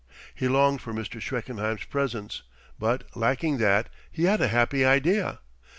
He longed for Mr. Schreckenheim's presence, but, lacking that, he had a happy idea.